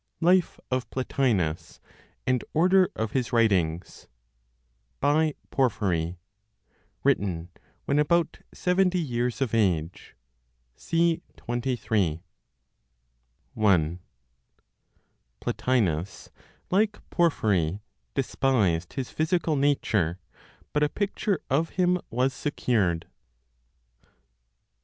7 Life of Plotinos And Order of his Writings By PORPHYRY. (Written when about 70 years of age, see 23.) I. PLOTINOS, LIKE PORPHYRY, DESPISED HIS PHYSICAL NATURE, BUT A PICTURE OF HIM WAS SECURED.